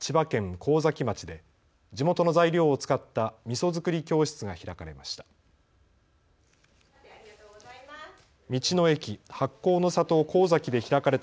神崎町で地元の材料を使ったみそづくり教室が開かれました。